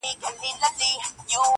زۀ خپله خان یمه خان څۀ ته وایي ,